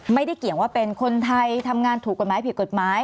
เกี่ยงว่าเป็นคนไทยทำงานถูกกฎหมายผิดกฎหมาย